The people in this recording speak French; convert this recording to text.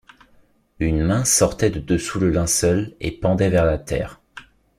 Une main sortait de dessous le linceul et pendait vers la terre.